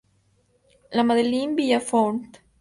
La Madeleine-Villefrouin